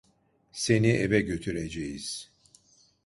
Seni eve götüreceğiz.